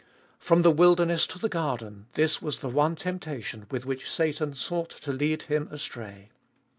From the wilderness to the garden this was the one temptation with which Satan sought to lead Him astray.